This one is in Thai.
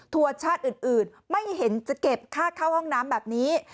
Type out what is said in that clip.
ชาติอื่นไม่เห็นจะเก็บค่าเข้าห้องน้ำแบบนี้